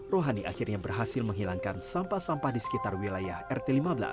rohani akhirnya berhasil menghilangkan sampah sampah di sekitar wilayah rt lima belas